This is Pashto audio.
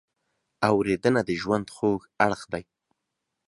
اورېدنه د ژوند خوږ اړخ دی.